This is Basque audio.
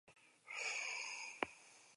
Baina zu, nongo zulotik atera zara?